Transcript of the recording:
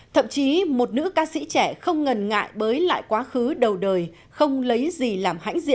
thậm chí một nữ ca sĩ trẻ không ngần ngại với lại quá khứ đầu đời không lấy gì làm hãnh diện